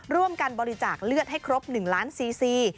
ร่วมกันบริจาคเลือดให้ครบ๑ล้านซีซี